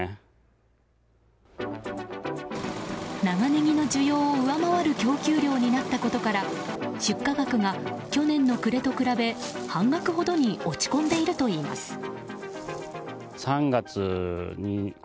長ネギの需要を上回る供給量になったことから出荷額が去年の暮れと比べ半額ほどに落ち込んでいるといいます。